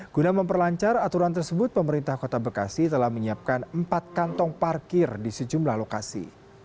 guna memperlancar aturan tersebut pemerintah kota bekasi telah menyiapkan empat kantong parkir di sejumlah lokasi